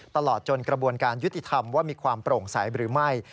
ตลอดจนกระบวนการยุติธรรมว่ามีความโปร่งใสหรือไม่